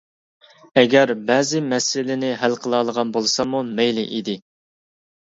ئەگەر بەزى مەسىلىنى ھەل قىلالىغان بولساممۇ مەيلى ئىدى.